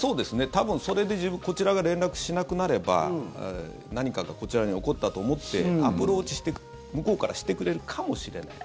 多分それでこちらが連絡しなくなれば何かがこちらに起こったと思ってアプローチ、向こうからしてくれるかもしれない。